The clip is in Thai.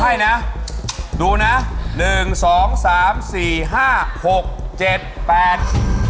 ใช่นะดูนะหนึ่งสองสามสี่ห้าหกเจ็ดแปด